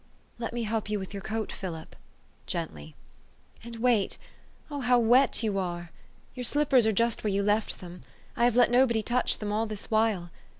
" Let me help you with your coat, Philip," gen tly. " And wait Oh, how wet you are ! Your slippers are just where you left them. I have let nobody touch them all this while.